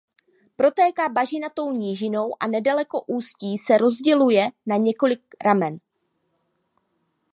Protéká bažinatou nížinou a nedaleko ústí se rozděluje na několik ramen.